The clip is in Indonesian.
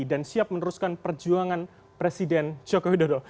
dan siap meneruskan perjuangan presiden jokowi dodo